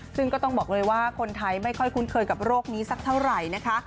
ซึ่งก็ต้องบอกเลยว่าคนไทยไม่ค่อยคุ้นเคยกับโรคนี้สักเท่าไหร่นะคะ